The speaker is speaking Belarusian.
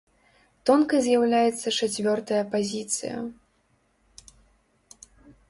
Тонкай з'яўляецца чацвёртая пазіцыя.